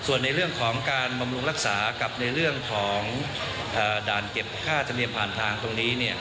ส่วนในเรื่องของการบำรุงรักษากับในเรื่องของด่านเก็บค่าธรรมเนียมผ่านทางตรงนี้